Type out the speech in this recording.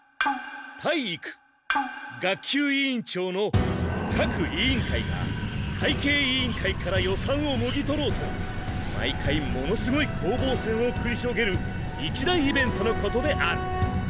体育学級委員長の各委員会が会計委員会から予算をもぎ取ろうと毎回ものすごい攻防戦をくり広げる一大イベントのことである。